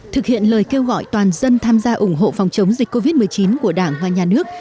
thực hiện lời kêu gọi toàn dân tham gia ủng hộ phòng chống dịch covid một mươi chín của đảng và nhà nước